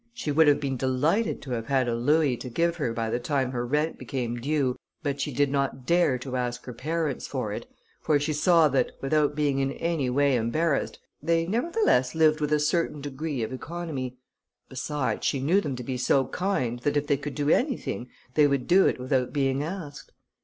She would have been delighted to have had a louis to give her by the time her rent became due, but she did not dare to ask her parents for it, for she saw that, without being in any way embarrassed, they nevertheless lived with a certain degree of economy; besides, she knew them to be so kind, that if they could do anything, they would do it without being asked.